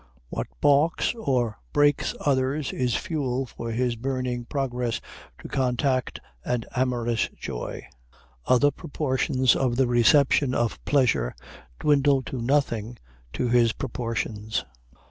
What balks or breaks others is fuel for his burning progress to contact and amorous joy. Other proportions of the reception of pleasure dwindle to nothing to his proportions.